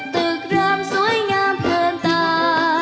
ตึกรามสวยงามเพลินตา